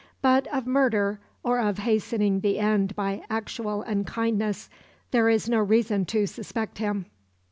But of murder, or of hastening the end by actual unkindness, there is no reason to suspect him.